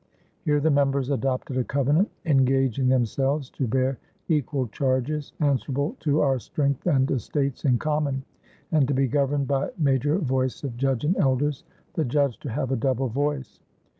Here the members adopted a covenant, "engaging" themselves "to bear equall charges, answerable to our strength and estates in common," and to be governed "by major voice of judge and elders; the judge to have a double voice."